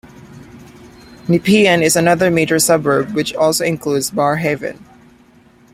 Nepean is another major suburb which also includes Barrhaven.